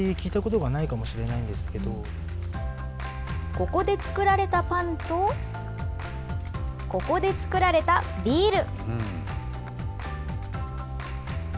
ここで作られたパンと、ここで造られたビール。